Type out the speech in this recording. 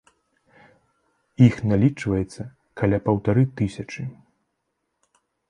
Іх налічваецца каля паўтары тысячы.